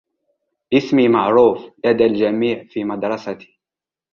اسمي معروف لدى الجميع في مدرستي.